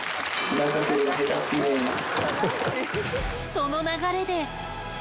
その流れで。